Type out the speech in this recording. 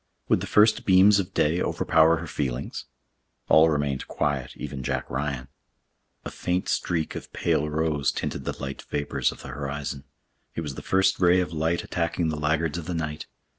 Would the first beams of day overpower her feelings? All remained quiet, even Jack Ryan. A faint streak of pale rose tinted the light vapors of the horizon. It was the first ray of light attacking the laggards of the night.